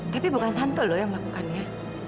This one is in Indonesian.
tapi bukan tante lo yang melakukannya